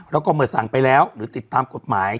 แล้วก็เมื่อสั่งไปแล้วหรือติดตามกฎหมาย